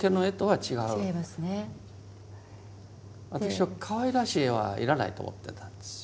私はかわいらしい絵は要らないと思ってたんですよ。